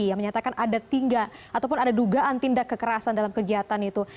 yang menyatakan ada tiga ataupun ada dugaan tindak kekerasan dalam kegiatan itu